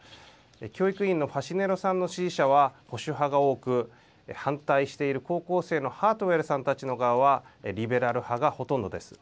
教育委員のファシネロさんの支持者は保守派が多く反対している高校生のハートウェルさん側はリベラル派がほとんどです。